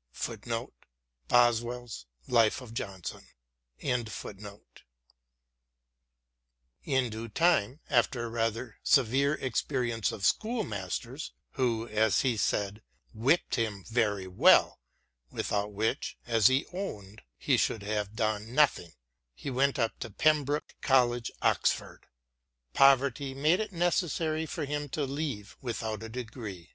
* In due time, after a rather severe experience of schoolmasters, who, as he said, whipped him very well, without which, as he owned, he should have done nothing, he went up to Pembroke College, Oxford. Poverty made it necessary for him to leave without a degree.